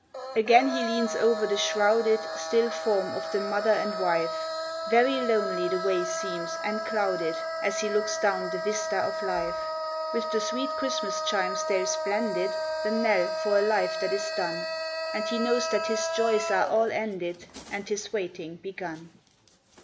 Again he leans over the shrouded Still form of the mother and wife; Very lonely the way seems, and clouded, As he looks down the vista of life. With the sweet Christmas chimes there is blended The knell for a life that is done, And he knows that his joys are all ended And his waiting begun.